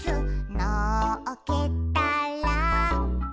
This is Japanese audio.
「のっけたら」